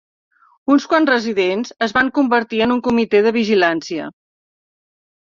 Uns quants residents es van convertir en un comitè de vigilància.